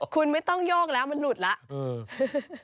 คุณไม่ต้องโยกแล้วมันหลุดแล้ว